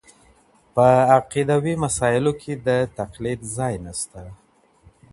په عقيدوي مسايلو کي د تقليد ځای نسته.